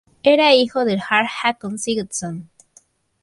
Era hijo del jarl Håkon Sigurdsson.